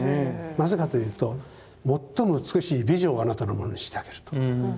なぜかというと最も美しい美女をあなたのものにしてあげると。